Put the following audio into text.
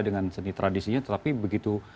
dengan seni tradisinya tetapi begitu